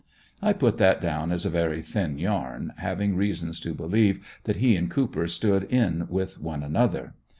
I put that down as a very thin yarn, having reasons to believe that he and Cooper stood in with one another.